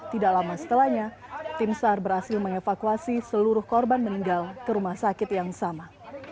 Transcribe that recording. tidak lama setelahnya tim sar berhasil mengevakuasi seluruh korban meninggal ke rumah sakit yang sama